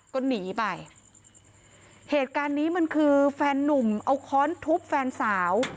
ก็หนีไปเหตุการณ์นี้มันคือแฟนนุ่มเอาค้อนทุบแฟนสาว